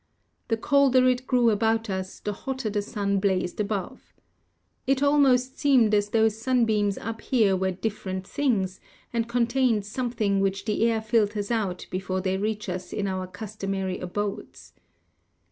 The colder it grew about us the hotter the sun blazed above. It almost seemed as tho sunbeams up here were different things, and contained something which the air filters out before they reach us in our customary abodes.